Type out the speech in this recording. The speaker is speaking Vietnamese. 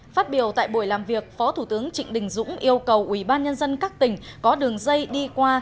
phát biểu tại buổi làm việc phó thủ tướng trịnh đình dũng yêu cầu ubnd các tỉnh có đường dây đi qua